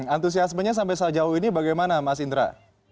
antusiasmenya sampai sejauh ini bagaimana mas indra